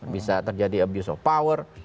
bisa terjadi abuse of power